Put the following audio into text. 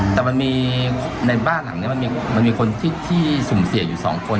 แต่มันมีในบ้านหลังนี้มันมีคนที่สุ่มเสี่ยงอยู่สองคน